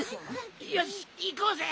よしいこうぜ。